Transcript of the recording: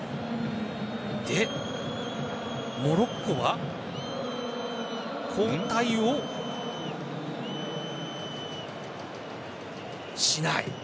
モロッコは交代をしない。